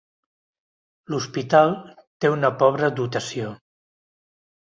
L'hospital té una pobra dotació.